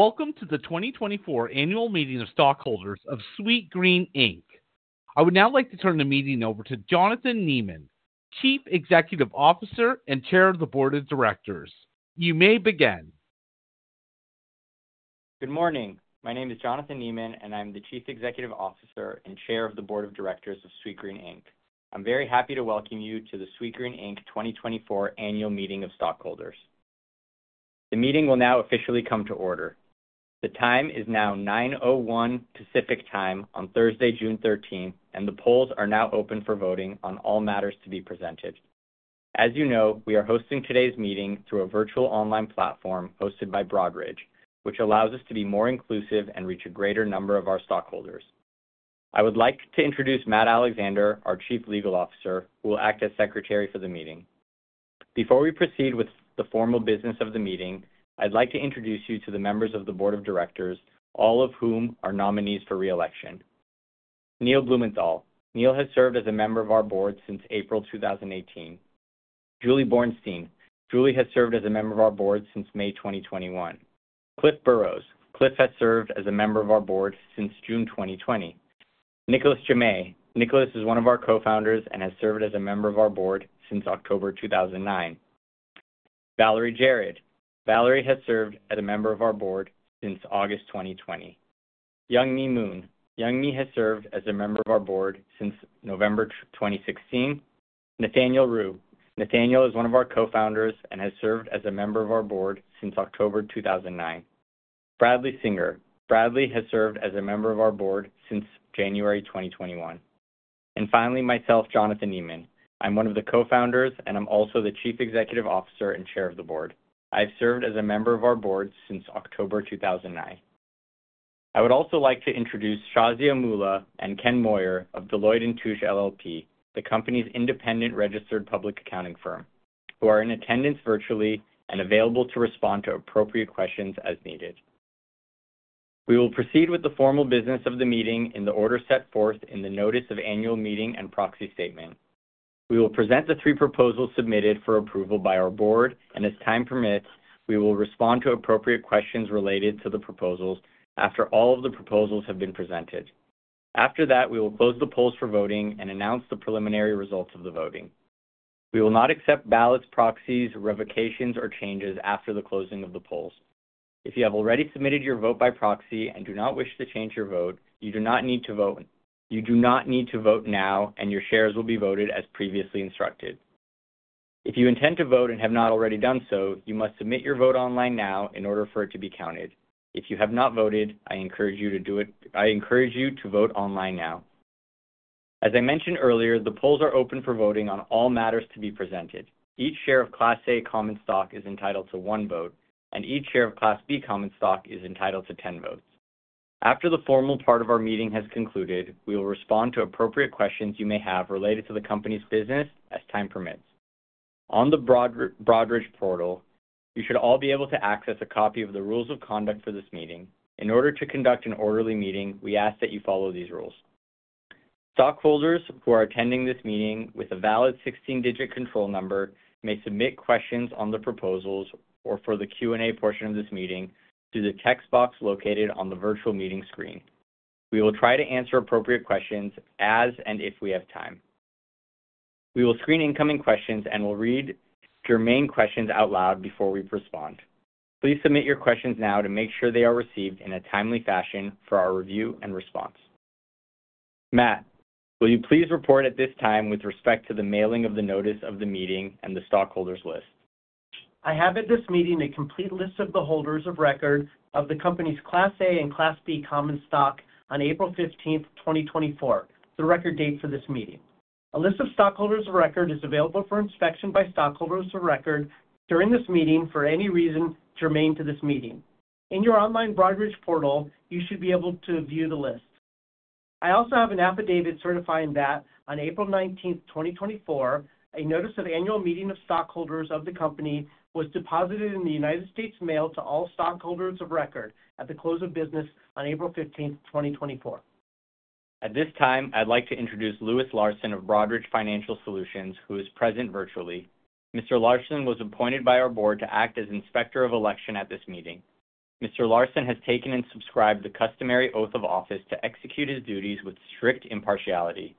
Welcome to the 2024 Annual Meeting of Stockholders of Sweetgreen, Inc. I would now like to turn the meeting over to Jonathan Neman, Chief Executive Officer and Chair of the Board of Directors. You may begin. Good morning. My name is Jonathan Neman, and I'm the Chief Executive Officer and Chair of the Board of Directors of Sweetgreen, Inc. I'm very happy to welcome you to the Sweetgreen, Inc. 2024 Annual Meeting of Stockholders. The meeting will now officially come to order. The time is now 9:01 A.M. Pacific Time on Thursday, June 13th, and the polls are now open for voting on all matters to be presented. As you know, we are hosting today's meeting through a virtual online platform hosted by Broadridge, which allows us to be more inclusive and reach a greater number of our stockholders. I would like to introduce Matt Alexander, our Chief Legal Officer, who will act as Secretary for the meeting. Before we proceed with the formal business of the meeting, I'd like to introduce you to the members of the Board of Directors, all of whom are nominees for re-election. Neil Blumenthal. Neil has served as a Member of our Board since April 2018. Julie Bornstein. Julie has served as a Member of our Board since May 2021. Cliff Burrows. Cliff has served as a Member of our Board since June 2020. Nicolas Jammet. Nicolas is one of our Co-Founders and has served as a Member of our Board since October 2009. Valerie Jarrett. Valerie has served as a Member of our Board since August 2020. Youngme Moon. Youngme has served as a Member of our Board since November 2016. Nathaniel Ru. Nathaniel is one of our Co-Founders and has served as a Member of our Board since October 2009. Bradley Singer. Bradley has served as a Member of our Board since January 2021. And finally, myself, Jonathan Neman. I'm one of the Co-Founders, and I'm also the Chief Executive Officer and Chair of the Board. I've served as a Member of our Board since October 2009. I would also like to introduce Shazia Moola and Ken Moyer of Deloitte & Touche LLP, the company's independent registered public accounting firm, who are in attendance virtually and available to respond to appropriate questions as needed. We will proceed with the formal business of the meeting in the order set forth in the Notice of Annual Meeting and Proxy Statement. We will present the three proposals submitted for approval by our Board, and as time permits, we will respond to appropriate questions related to the proposals after all of the proposals have been presented. After that, we will close the polls for voting and announce the preliminary results of the voting. We will not accept ballots, proxies, revocations, or changes after the closing of the polls. If you have already submitted your vote by proxy and do not wish to change your vote, you do not need to vote. You do not need to vote now, and your shares will be voted as previously instructed. If you intend to vote and have not already done so, you must submit your vote online now in order for it to be counted. If you have not voted, I encourage you to do it. I encourage you to vote online now. As I mentioned earlier, the polls are open for voting on all matters to be presented. Each share of Class A common stock is entitled to one vote, and each share of Class B common stock is entitled to 10 votes. After the formal part of our meeting has concluded, we will respond to appropriate questions you may have related to the company's business, as time permits. On the Broadridge portal, you should all be able to access a copy of the rules of conduct for this meeting. In order to conduct an orderly meeting, we ask that you follow these rules. Stockholders who are attending this meeting with a valid 16-digit control number may submit questions on the proposals or for the Q&A portion of this meeting through the text box located on the virtual meeting screen. We will try to answer appropriate questions as and if we have time. We will screen incoming questions and will read germane questions out loud before we respond. Please submit your questions now to make sure they are received in a timely fashion for our review and response. Matt, will you please report at this time with respect to the mailing of the notice of the meeting and the stockholders list? I have at this meeting a complete list of the holders of record of the company's Class A and Class B common stock on April 15th, 2024, the record date for this meeting. A list of stockholders of record is available for inspection by stockholders of record during this meeting for any reason germane to this meeting. In your online Broadridge portal, you should be able to view the list. I also have an affidavit certifying that on April 19th, 2024, a notice of annual meeting of stockholders of the company was deposited in the United States Mail to all stockholders of record at the close of business on April 15th, 2024. At this time, I'd like to introduce Louis Larson of Broadridge Financial Solutions, who is present virtually. Mr. Larson was appointed by our Board to act as Inspector of Election at this meeting. Mr. Larson has taken and subscribed the customary oath of office to execute his duties with strict impartiality.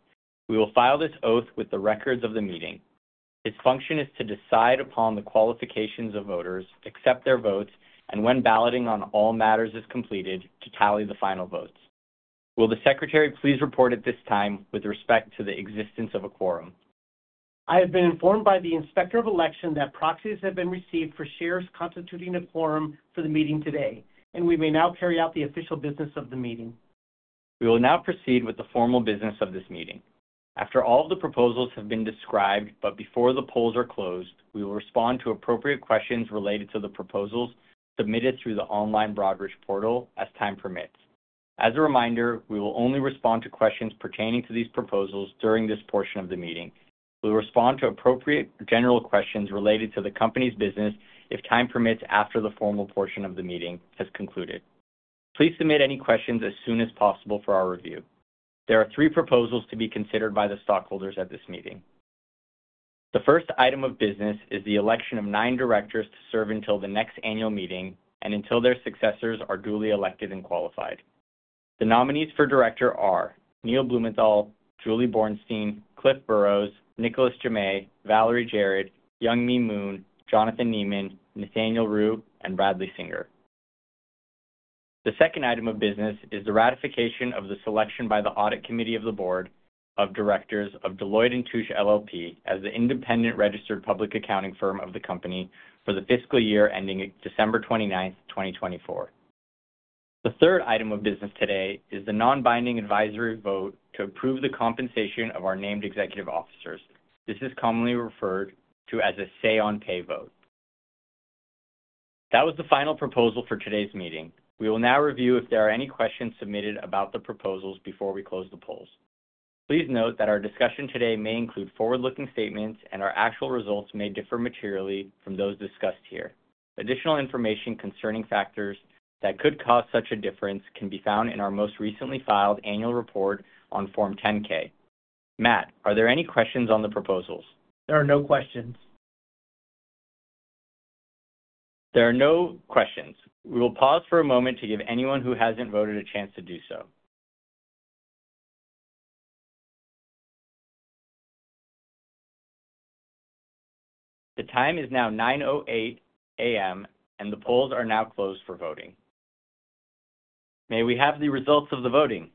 We will file this oath with the records of the meeting. His function is to decide upon the qualifications of voters, accept their votes, and when balloting on all matters is completed, to tally the final votes. Will the Secretary please report at this time with respect to the existence of a quorum? I have been informed by the Inspector of Election that proxies have been received for shares constituting a quorum for the meeting today, and we may now carry out the official business of the meeting. We will now proceed with the formal business of this meeting. After all of the proposals have been described, but before the polls are closed, we will respond to appropriate questions related to the proposals submitted through the online Broadridge portal as time permits. As a reminder, we will only respond to questions pertaining to these proposals during this portion of the meeting. We will respond to appropriate general questions related to the company's business if time permits after the formal portion of the meeting has concluded. Please submit any questions as soon as possible for our review. There are three proposals to be considered by the stockholders at this meeting. The first item of business is the election of nine directors to serve until the next annual meeting and until their successors are duly elected and qualified. The nominees for director are Neil Blumenthal, Julie Bornstein, Cliff Burrows, Nicolas Jammet, Valerie Jarrett, Youngme Moon, Jonathan Neman, Nathaniel Ru, and Bradley Singer. The second item of business is the ratification of the selection by the Audit Committee of the Board of Directors of Deloitte & Touche LLP as the independent registered public accounting firm of the company for the fiscal year ending December 29, 2024. The third item of business today is the non-binding advisory vote to approve the compensation of our named executive officers. This is commonly referred to as a say-on-pay vote. That was the final proposal for today's meeting. We will now review if there are any questions submitted about the proposals before we close the polls. Please note that our discussion today may include forward-looking statements, and our actual results may differ materially from those discussed here. Additional information concerning factors that could cause such a difference can be found in our most recently filed annual report on Form 10-K. Matt, are there any questions on the proposals? There are no questions. There are no questions. We will pause for a moment to give anyone who hasn't voted a chance to do so. The time is now 9:08 A.M., and the polls are now closed for voting. May we have the results of the voting?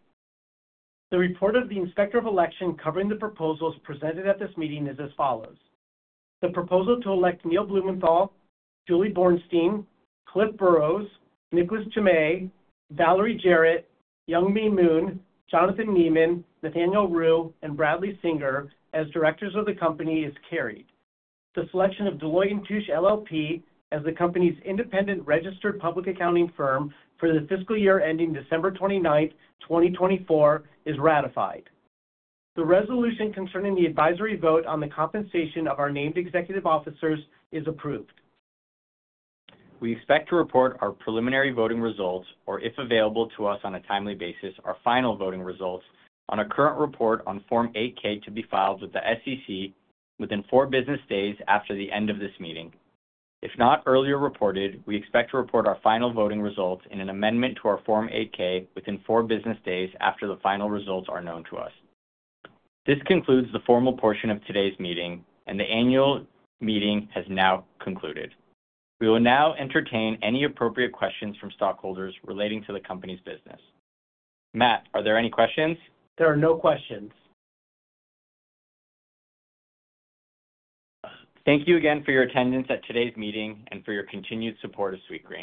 The report of the Inspector of Election covering the proposals presented at this meeting is as follows: The proposal to elect Neil Blumenthal, Julie Bornstein, Cliff Burrows, Nicolas Jammet, Valerie Jarrett, Youngme Moon, Jonathan Neman, Nathaniel Ru, and Bradley Singer as directors of the company is carried. The selection of Deloitte & Touche LLP as the company's independent registered public accounting firm for the fiscal year ending December 29, 2024, is ratified. The resolution concerning the advisory vote on the compensation of our named executive officers is approved. We expect to report our preliminary voting results, or if available to us on a timely basis, our final voting results on a current report on Form 8-K to be filed with the SEC within four business days after the end of this meeting. If not earlier reported, we expect to report our final voting results in an amendment to our Form 8-K within four business days after the final results are known to us. This concludes the formal portion of today's meeting, and the annual meeting has now concluded. We will now entertain any appropriate questions from stockholders relating to the company's business. Matt, are there any questions? There are no questions. Thank you again for your attendance at today's meeting and for your continued support of Sweetgreen.